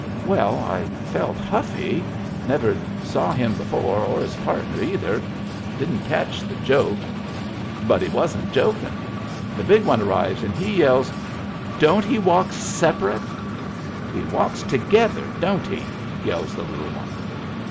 Well, I felt huffy — never'd saw him before or his partner neither — didn't catch the joke — but he wasn't jokin'. The big one arrives and he yells: —" Don't he walk separate ?"" He walks together, don't he ?" yells the little one.